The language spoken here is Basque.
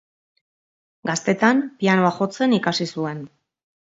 Gaztetan pianoa jotzen ikasi zuen.